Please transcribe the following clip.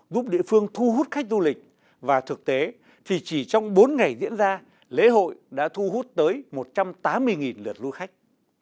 giúp địa phương thu hút khách du lịch và thực tế thì chỉ trong bốn ngày diễn ra lễ hội đã thu hút tới một trăm tám mươi lượt lưu khách